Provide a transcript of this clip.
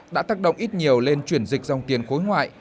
đã tác động ít nhiều lên chuyển dịch dòng tiền khối ngoại